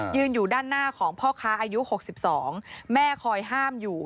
อยู่ด้านหน้าของพ่อค้าอายุ๖๒แม่คอยห้ามอยู่